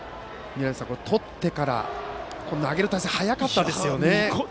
とってからこの投げる体勢早かったですよね。